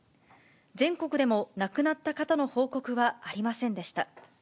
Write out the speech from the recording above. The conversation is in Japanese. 全国でも亡くなった方の報告はありませんでした。